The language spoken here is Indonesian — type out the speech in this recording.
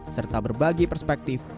serta berbagi perspektif tersebut